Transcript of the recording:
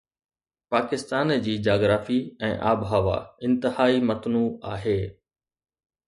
پاڪستان جي جاگرافي ۽ آبهوا انتهائي متنوع آهي